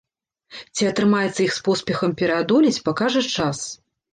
Ці атрымаецца іх з поспехам пераадолець, пакажа час.